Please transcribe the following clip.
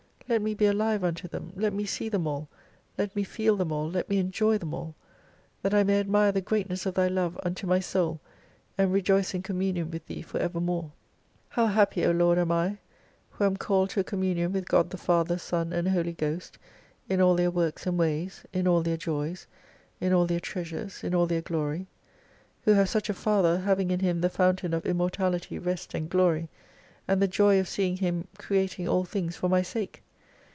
Let me be alive unto them : let me see them all, let me feel them all, let me enjoy them all : that I may admire the greatness of Thy love unto my soul, and rejoice in communion with Thee for evermore. How happy, O Lord, am I, who am called to a communion with God the Father, Son, and Holy Ghost, in all their works and ways, in all their joys, in all their treasures, in all their glory ! Who have such a Father, having in Him the Fountain of ImmortaUty Rest and Glory, and the joy of seeing Him creating all things for my sake